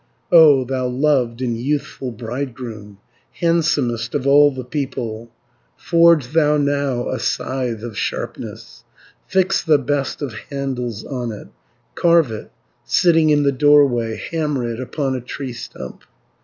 "O thou loved and youthful bridegroom, Handsomest of all the people, Forge thou now a scythe of sharpness, Fix the best of handles on it, Carve it, sitting in the doorway, Hammer it upon a tree stump.